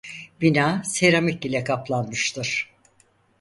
Bina seramik ile kaplanmıştır.